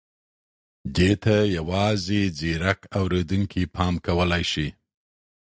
دې ته یوازې ځيرک اورېدونکي پام کولای شي.